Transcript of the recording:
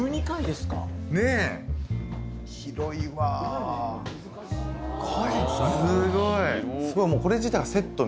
すごい。